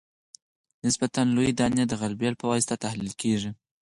نسبتاً لویې دانې د غلبیل په واسطه تحلیل کیږي